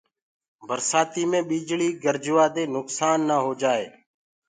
برسآتيٚ مينٚ بِجليٚ گرجوآ دي نُڪسآن نآ هوجآئي۔